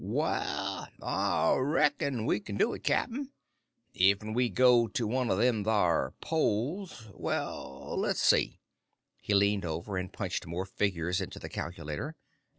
"Waal, Ah reckon we can do it, cap'n. Ef'n we go to the one o' them thar poles ... well, let's see " He leaned over and punched more figures into the calculator.